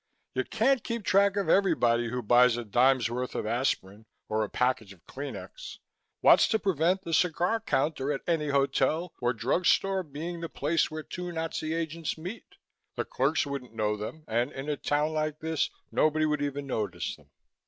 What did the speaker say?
You can't keep track of everybody who buys a dime's worth of aspirin or a package of Kleenex. What's to prevent the cigar counter at any hotel or drug store being the place where two Nazi agents meet. The clerks wouldn't know them and in a town like this nobody would even notice them."